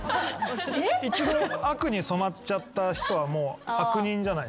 一度悪に染まっちゃった人はもう悪人じゃないですか。